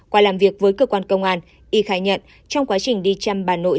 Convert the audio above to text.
qua làm việc với cơ quan công an y khai nhận trong quá trình đi chăm bà nội